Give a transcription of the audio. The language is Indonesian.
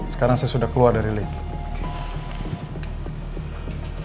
sekarang saya sudah keluar dari lift